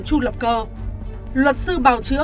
tru lập cơ luật sư bảo chữa